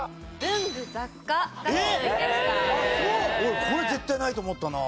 俺これ絶対ないと思ったな。